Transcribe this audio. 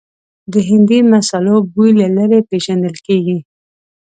د هندي مسالو بوی له لرې پېژندل کېږي.